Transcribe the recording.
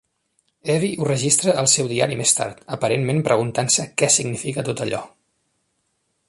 Evie ho registra al seu diari més tard, aparentment preguntant-se què significa tot allò.